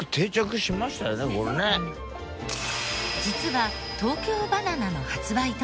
実は東京ばな奈の発売